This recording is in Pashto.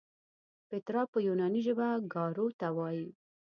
پیترا په یوناني ژبه ګارو ته وایي.